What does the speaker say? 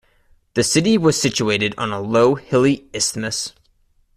The city was situated on a low hilly isthmus.